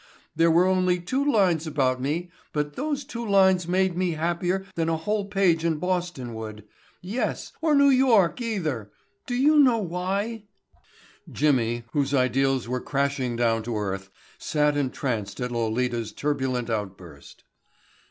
There were only two lines about me, but those two lines made me happier than a whole page in Boston would,—yes, or New York either. Do you know why?" Jimmy, whose ideals were crashing down to earth, sat entranced at Lolita's turbulent outburst.